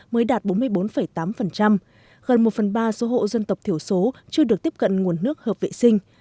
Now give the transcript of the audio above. mới đạt bốn mươi bốn tám gần một phần ba số hộ dân tộc thiểu số chưa được tiếp cận nguồn nước hợp vệ sinh